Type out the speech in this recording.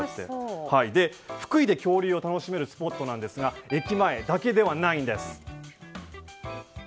福井で恐竜が楽しめるスポットですが駅前だけではないんです。